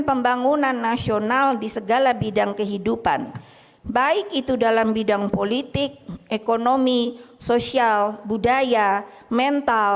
pembangunan nasional di segala bidang kehidupan baik itu dalam bidang politik ekonomi sosial budaya mental